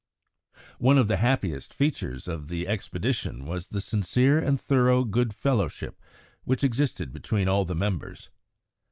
One of the happiest features of this expedition was the sincere and thorough good fellowship which existed between all the members.